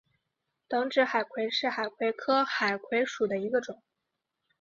等指海葵是海葵科海葵属的一种。